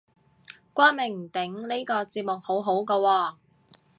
光明頂呢個節目好好個喎